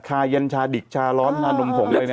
คายันชาดิกชาร้อนชานมผงเลยนะ